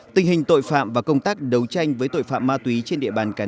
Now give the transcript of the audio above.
tình hình tội phạm và công tác đấu tranh với tội phạm ma túy trên địa bàn cả nước